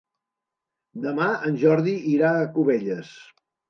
Demà en Jordi irà a Cubelles.